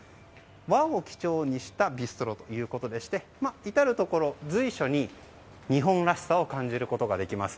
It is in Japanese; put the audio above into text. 和を基調にしたビストロということで至るところ、随所に日本らしさを感じることができます。